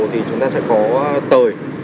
thì chúng ta sẽ có tời